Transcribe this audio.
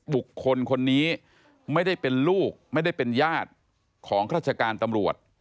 บุคคลคนนี้ไม่ได้เป็นลูกไม่ได้เป็นญาติของราชการตำรวจ